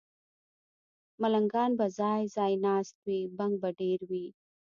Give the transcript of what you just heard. ملنګان به ځای، ځای ناست وي، بنګ به ډېر وي